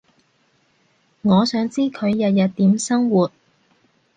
我想知佢日日點生活